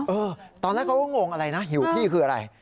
ตอนแรกเขาก็งงอะไรนะหิวพี่คืออะไร